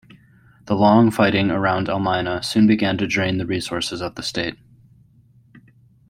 The long fighting around Elmina soon began to drain the resources of the state.